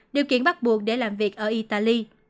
điều kiện bắt buộc để làm việc ở italy